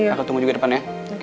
aku tunggu juga depan ya